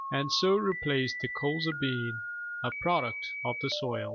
And so replace the colza bean (A product of the soil).